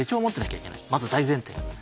まず大前提が。